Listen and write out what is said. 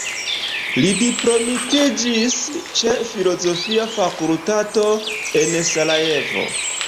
Li diplomitiĝis ĉe filozofia fakultato en Sarajevo.